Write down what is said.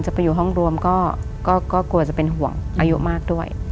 ไปอยู่ห้องรวมก็กลัวจะเป็นห่วงอายุมากด้วย